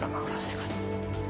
確かに。